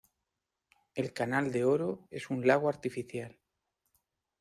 El Canal de Oro es un lago artificial.